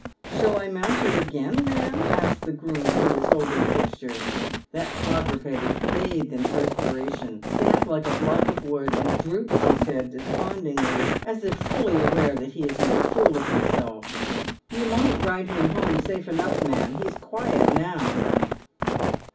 " Shall I mount you again, ma'am ?" asks the groom, who ir holding Fisture. That quadruped is bathed in perspiration, stands like a block of wood, and droops his head despondently aa if fully aware that he has made a fool of himself. " You might ride him home safe enough ma'am. He's quiet now."